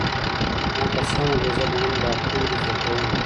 ما قسم وکړ چې زه به هم دا توري زده کوم.